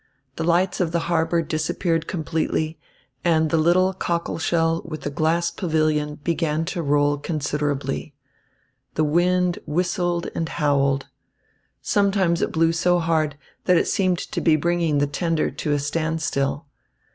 The lights of the harbour disappeared completely, and the little cockle shell with the glass pavilion began to roll considerably. The wind whistled and howled. Sometimes it blew so hard that it seemed to be bringing the tender to a standstill.